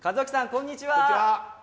こんにちは！